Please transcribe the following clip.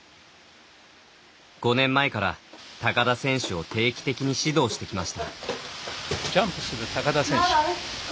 ５年前から高田選手を定期的に指導してきました。